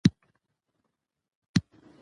تنوع د افغانستان د ځمکې د جوړښت نښه ده.